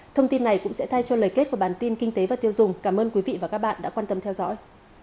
thông tin này cũng sẽ thay cho lời kết của bản tin kinh tế và tiêu dùng cảm ơn quý vị và các bạn đã quan tâm theo dõi